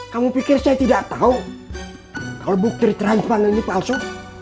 kamu pikir saya tidak tahu kalau bukti transferan ini palsu